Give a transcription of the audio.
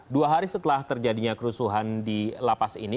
dua hari setelah terjadinya kerusuhan di lapas ini